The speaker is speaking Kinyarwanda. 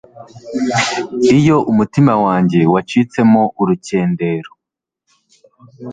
iyo umutima wanjye wacitse urukendero